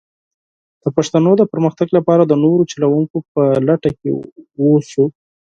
د پښتو د پرمختګ لپاره د نوو چلوونکو په لټه کې ووسو.